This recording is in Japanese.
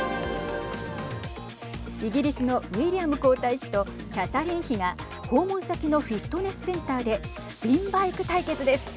イギリスのウィリアム皇太子とキャサリン妃が訪問先のフィットネスセンターでスピンバイク対決です。